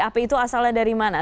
api itu asalnya dari mana